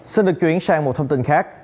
xin được chuyển sang một thông tin khác